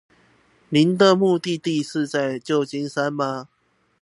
你的目的地是在舊金山嗎